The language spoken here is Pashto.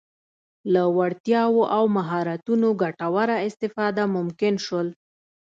له وړتیاوو او مهارتونو ګټوره استفاده ممکن شول.